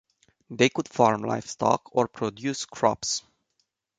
They could farm livestock or produce crops.